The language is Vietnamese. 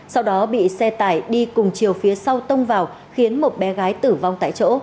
sau đó bị xe tải đi cùng chiều phía sau tông vào khiến một bé gái tử vong tại chỗ